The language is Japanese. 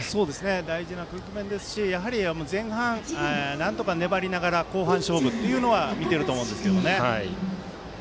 大事な局面ですし前半、なんとか粘りながら後半勝負というのは見ていると思います。